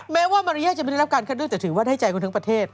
แม้ว่ามารยาทจะไม่ได้รับการคัดเลือกแต่ถือว่าได้ใจคนทั้งประเทศ